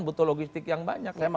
butuh logistik yang banyak